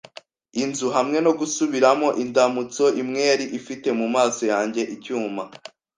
inzu, hamwe no gusubiramo indamutso imwe, yari ifite mumaso yanjye icyuma